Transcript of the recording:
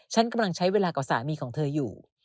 ฉันกำลังใช้เวลากับสามีของเธออยู่